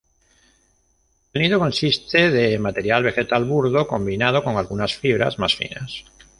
El nido consiste de material vegetal burdo combinado con algunas fibras más finas.